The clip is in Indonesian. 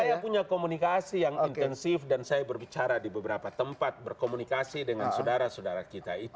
saya punya komunikasi yang intensif dan saya berbicara di beberapa tempat berkomunikasi dengan saudara saudara kita itu